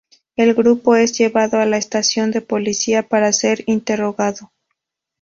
El grupo es llevado a la estación de policía para ser interrogado.